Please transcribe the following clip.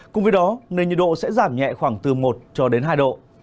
cùng với đó nền nhiệt độ sẽ giảm nhẹ khoảng từ một cho đến hai độ